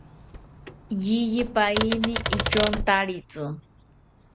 Yeyipaeni ityontaritzi